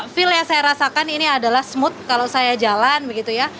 feel yang saya rasakan ini adalah smooth kalau saya jalan begitu ya